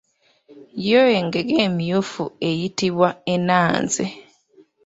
Yo engege emmyufu eyitibwa ennanze.